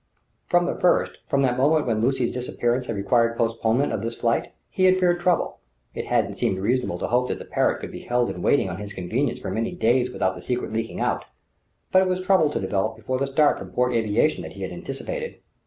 From the first, from that moment when Lucy's disappearance had required postponement of this flight, he had feared trouble; it hadn't seemed reasonable to hope that the Parrott could be held in waiting on his convenience for many days without the secret leaking out; but it was trouble to develop before the start from Port Aviation that he had anticipated.